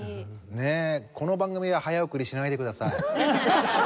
この番組は早送りしないでください。